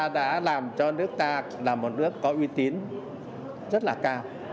đã làm cho nước ta là một nước có uy tín rất là cao